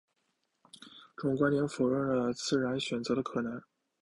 这种观点否认了自然选择的可能。